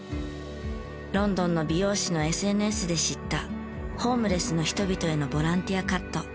ロンドンの美容師のＳＮＳで知ったホームレスの人々へのボランティアカット。